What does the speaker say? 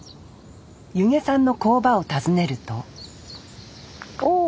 弓削さんの工場を訪ねるとお。